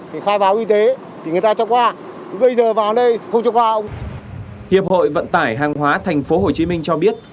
hiệp hội vận tải hàng hóa thành phố hồ chí minh cho biết